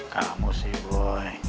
kamu sih boy